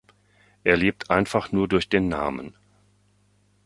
Er lebt einfach nur durch den Namen.